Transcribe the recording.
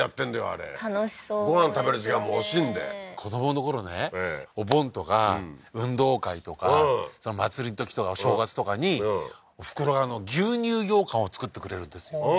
あれ楽しそうご飯食べる時間も惜しんで子どものころねお盆とか運動会とか祭りのときとかお正月とかにおふくろが牛乳ようかんを作ってくれるんですよ